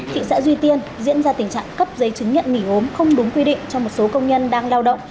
thị xã duy tiên diễn ra tình trạng cấp giấy chứng nhận nghỉ ốm không đúng quy định cho một số công nhân đang lao động